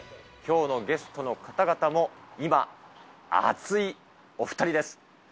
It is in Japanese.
きょうのゲストの方々も今、熱いお２人です。